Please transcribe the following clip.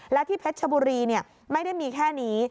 และที่เพชรชบุรีไม่ได้มีแค่นี้